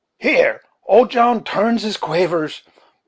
Hear how old John turns his quavers.